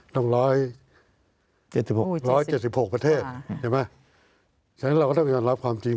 ต้อง๑๗๖๑๗๖ประเทศใช่ไหมฉะนั้นเราก็ต้องยอมรับความจริง